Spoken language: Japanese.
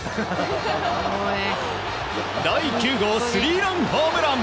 第９号スリーランホームラン！